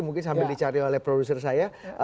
mungkin sambil dicari oleh produser saya